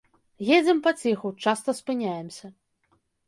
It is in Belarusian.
Едзем паціху, часта спыняемся.